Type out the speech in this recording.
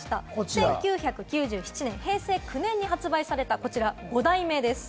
１９９７年・平成９年に発売された、こちら５代目です。